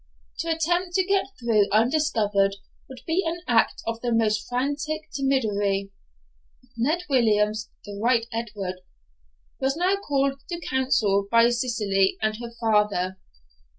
To attempt to get through undiscovered would be an act of the most frantic temerity. Ned Williams (the right Edward) was now called to council by Cicely and her father.